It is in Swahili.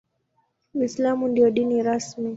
Uislamu ndio dini rasmi.